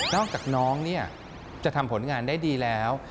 นอกจากน้องจะทำผลงานได้ดีแล้ว